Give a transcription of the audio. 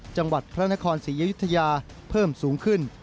จังหวัดพระนครศรีอยุธยาเพิ่มสูงขึ้น